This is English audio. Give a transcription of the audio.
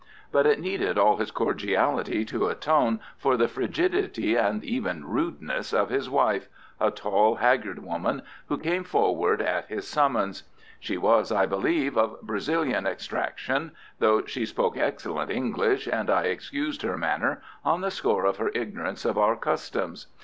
But it needed all his cordiality to atone for the frigidity and even rudeness of his wife, a tall, haggard woman, who came forward at his summons. She was, I believe, of Brazilian extraction, though she spoke excellent English, and I excused her manners on the score of her ignorance of our customs.